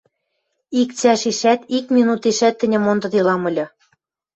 — Ик цӓшешӓт, ик минутешӓт тӹньӹм мондыделам ыльы...